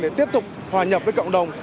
để tiếp tục hòa nhập với cộng đồng